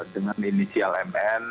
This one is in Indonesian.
dengan inisial mn